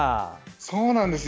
そうなんですよ。